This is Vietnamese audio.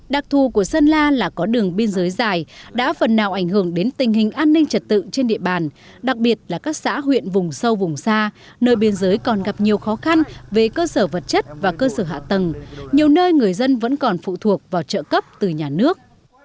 đặc thù của sơn la là có đường biên giới dài đã phần nào ảnh hưởng đến tình hình an ninh trật tự trên địa bàn đặc biệt là các xã huyện vùng xa nơi biên giới còn gặp nhiều khó khăn về cơ sở hạ tầng nhiều nơi người dân vẫn phụ thuộc vào trợ cấp từ nhà nước